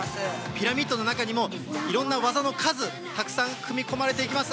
ピラミッドの中にも、いろんな技の数、たくさん組み込まれていきます。